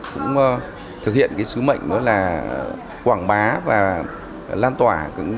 cũng thực hiện sứ mệnh là quảng bá và lan tỏa